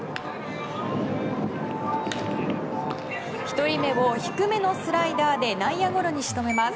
１人目を、低めのスライダーで内野ゴロに仕留めます。